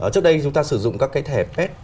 trước đây chúng ta sử dụng các cái thẻ fed